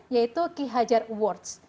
yaitu ki hajar awards